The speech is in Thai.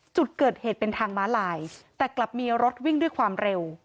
จุดเกิดเหตุเป็นทางม้าลายแต่กลับมีรถวิ่งด้วยความเร็ว